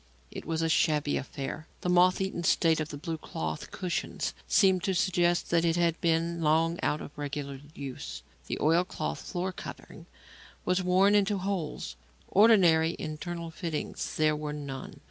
It was a shabby affair. The moth eaten state of the blue cloth cushions seemed to suggest that it had been long out of regular use; the oil cloth floor covering was worn into holes; ordinary internal fittings there were none.